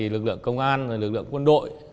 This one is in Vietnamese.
lực lượng công an lực lượng quân đội